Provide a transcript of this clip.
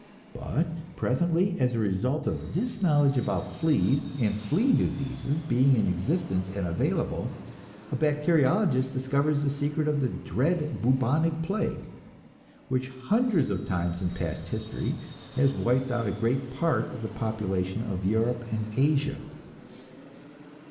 But presently, as a result of this knowledge about fleas and flea diseases being in existence and available, a bacteriologist discovers the secret of the dread bubonic plague, which hundreds of times in past history has wiped out a great part of the population of Europe and Asia.